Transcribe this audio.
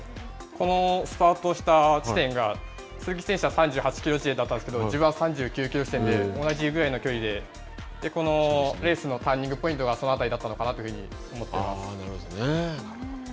このスパートした地点が鈴木選手は３８キロ地点だったんですけど、自分は３９キロ地点で、同じぐらいの距離で、このレースのターニングポイントがそのあたりだったのかなと思っています。